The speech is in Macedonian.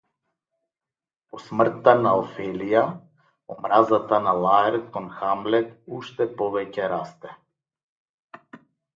По смртта на Офелија омразата на Лаерт кон Хамлет уште повеќе расте.